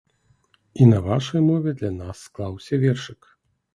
І на вашай мове для нас склаўся вершык.